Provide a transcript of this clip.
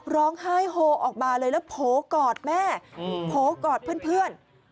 ร้องไห้โฮออกมาเลยแล้วโผล่กอดแม่โผล่กอดเพื่อน